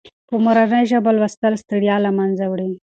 په مورنۍ ژبه لوستل ستړیا له منځه وړي.